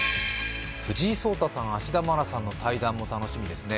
藤井聡太さん、芦田愛菜さんの対談も楽しみですね。